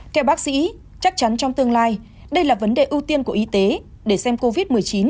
theo bác sĩ chắc chắn trong tương lai đây là vấn đề ưu tiên của y tế để xem covid một mươi chín